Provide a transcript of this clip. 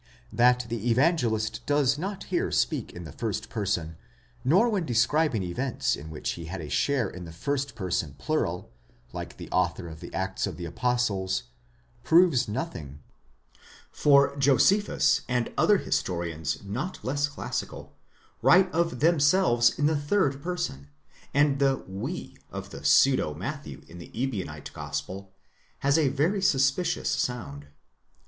That the Evangelist does not here speak in the first person, nor when describing events in which he had a share in the first person plural, like the author of the Acts of the Apostles, proves nothing; for Josephus and other historians not less classical, write of themselves in the third person, and the we of the pseudo Matthew in the Ebionite gospel has a very suspicious sound.